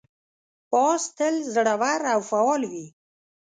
باز تل زړور او فعال وي